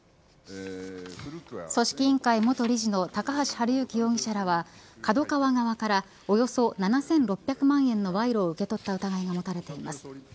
組織委員会元理事の高橋治之容疑者らはＫＡＤＯＫＡＷＡ側からおよそ７６００万円の賄賂を受け取った疑いが持たれています。